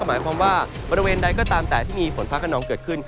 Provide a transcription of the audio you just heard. หมายความว่าบริเวณใดก็ตามแต่ที่มีฝนฟ้าขนองเกิดขึ้น